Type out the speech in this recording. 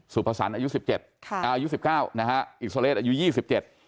สุภสรรคอายุสิบเจ็ดค่ะอ่าอายุสิบเก้านะฮะอิโซเลสอายุยี่สิบเจ็ด